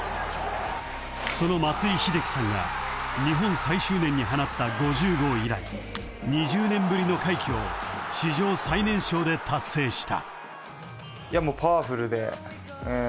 ［その松井秀喜さんが日本最終年に放った５０号以来２０年ぶりの快挙を史上最年少で達成した］